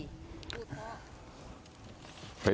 ไปดูนะครับ